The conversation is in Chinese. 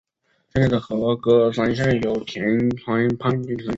现在的和歌山县有田川町出身。